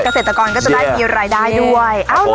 เกษตรกรก็จะได้มีรายได้ด้วย